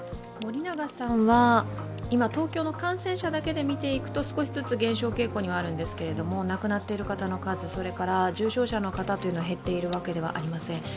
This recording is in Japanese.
今、東京の感染者だけで見ていくと少しずつ減少傾向にはあるんですけれども亡くなっている方の数、重症者の方が減っているわけではありません。